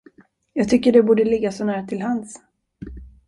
Jag tycker det borde ligga så nära till hands.